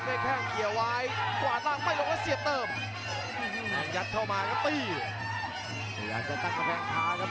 สุประชัยกดมาเพื่อจะตั้งกับแผงพาครับ